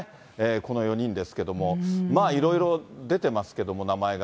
この４人ですけれども、まあ、いろいろ出てますけども、名前が。